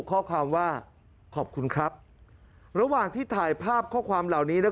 ข้อความว่าขอบคุณครับระหว่างที่ถ่ายภาพข้อความเหล่านี้นะ